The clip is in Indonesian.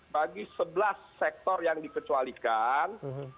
bagi sebelas sektor yang dikecualikan